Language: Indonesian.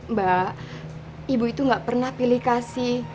mbak ibu itu nggak pernah pilih kasih